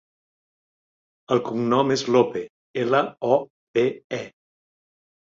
El cognom és Lope: ela, o, pe, e.